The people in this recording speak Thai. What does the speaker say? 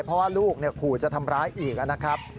เพราะว่าลูกขู่จะทำร้ายอีกนะครับ